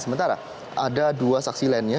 sementara ada dua saksi lainnya